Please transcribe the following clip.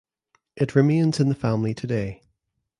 It remains in the family today.